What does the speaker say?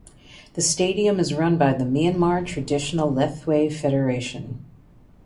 The Stadium is run by the Myanmar Traditional Lethwei Federation.